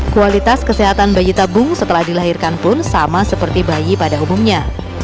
kualitas kesehatan bayi tabung setelah dilahirkan pun sama seperti bayi pada umumnya